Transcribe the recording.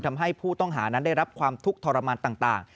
ทำให้ผู้ต้องหานั้นได้รับความทุกข์ทรมานต่าง